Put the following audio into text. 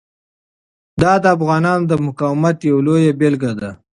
دا د افغانانو د مقاومت یوه لویه بیلګه ده.